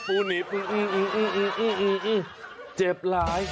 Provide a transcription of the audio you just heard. ปูหนีบเจ็บหลาย